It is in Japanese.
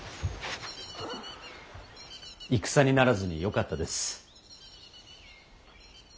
戦にならずによかったです。